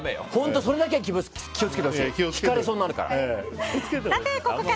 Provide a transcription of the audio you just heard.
それだけは気を付けてほしいひかれそうになるから。